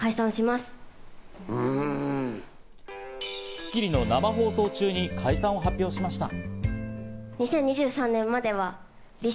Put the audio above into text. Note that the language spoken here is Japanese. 『スッキリ』の生放送中に解散を発表しました。